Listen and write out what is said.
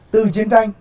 từ chiến tranh